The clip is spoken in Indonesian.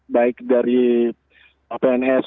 baik dari pns